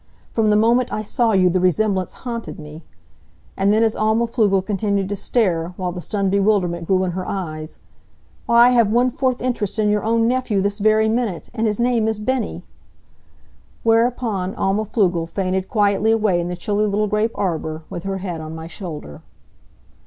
From the moment I saw you the resemblance haunted me." And then as Alma Pflugel continued to stare, while the stunned bewilderment grew in her eyes, "Why, I have one fourth interest in your own nephew this very minute. And his name is Bennie!" Whereupon Alma Pflugel fainted quietly away in the chilly little grape arbor, with her head on my shoulder.